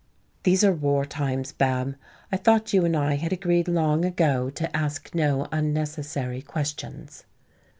"These are war times, Bab. I thought you and I had agreed long ago to ask no unnecessary questions."